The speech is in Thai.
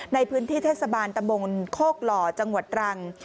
ในพื้นที่เทศบาลตะบนโคกหล่อจังหวัดตรัง